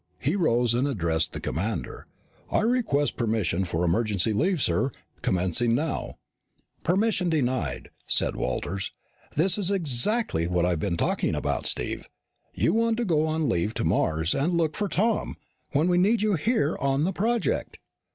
He rose and addressed the commander. "I request permission for emergency leave, sir, commencing now." "Permission denied!" said Walters. "This is exactly what I've been talking about, Steve. You want to leave to go to Mars and look for Tom when we need you here on the project."